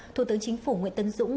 thủ tướng chính phủ nguyễn tân dũng